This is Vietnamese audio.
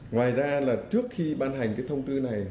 ngoài ra là trước khi ban hành cái thông tư này